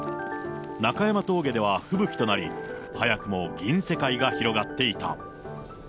中山峠では、吹雪となり、早くも銀世界が広がっていた。